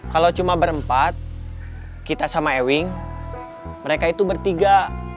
kalau cuma berempat kita sama ewing mereka itu bertiga